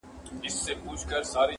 o په بل کلي کي د دې سړي یو یار وو,